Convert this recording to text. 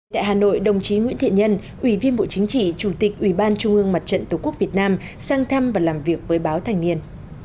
tại hà nội đồng chí nguyễn thiện nhân ủy viên bộ chính trị chủ tịch ủy ban trung ương mặt trận tổ quốc việt nam sang thăm và làm việc với báo thành niên